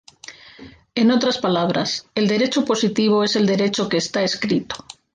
En otras palabras el derecho positivo es el derecho que está escrito.